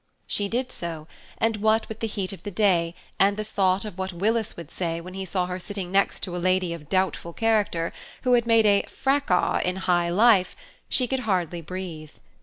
She did so, and what with the heat of the day, and the thought of what Willis would say when he saw her sitting next to a lady of doubtful character, who had made a "fracaw in high life," she could hardly breathe.